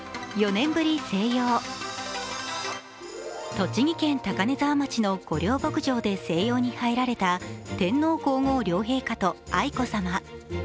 栃木県高根沢町の御料牧場で静養に入られた天皇皇后両陛下と愛子さま。